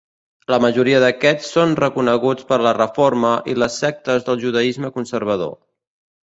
La majoria d'aquests són reconeguts per la Reforma i les sectes del judaisme conservador.